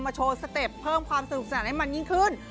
โชว์สเต็ปเพิ่มความสนุกสนานให้มันยิ่งขึ้น